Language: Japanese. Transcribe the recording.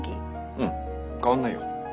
うん変わんないよ。